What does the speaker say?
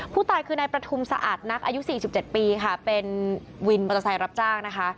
ผู้ตายคือนายประทุมสะอาดนักอายุ๔๗ปีค่ะเป็นวินมอเตอร์ไซค์รับจ้างนะคะ